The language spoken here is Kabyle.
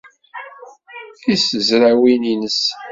Deg tazrawin-ines.